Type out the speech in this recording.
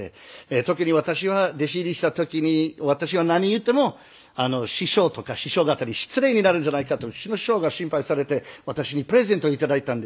特に私は弟子入りした時に私は何言っても師匠とか師匠方に失礼になるんじゃないかとうちの師匠が心配されて私にプレゼントを頂いたんです。